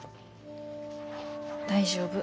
大丈夫。